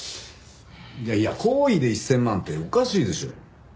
いやいや厚意で１０００万っておかしいでしょ。